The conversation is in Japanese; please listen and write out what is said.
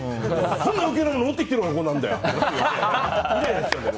そんな余計なもの持ってきてるからこうなるんだよって。